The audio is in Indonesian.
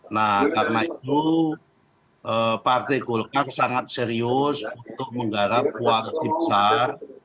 nah karena itu partai golkar sangat serius untuk menggarap koalisi besar